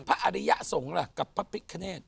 พระอริยสงฆ์กับพระพิกขนาด